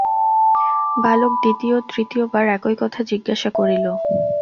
বালক দ্বিতীয় ও তৃতীয় বার একই কথা জিজ্ঞাসা করিল।